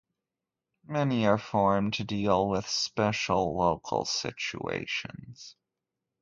Many are formed to deal with special local situations.